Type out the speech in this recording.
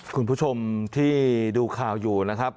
คุณผู้ชมที่ดูข่าวอยู่นะครับ